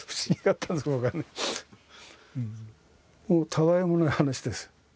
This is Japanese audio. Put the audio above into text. たわいもない話ですよ。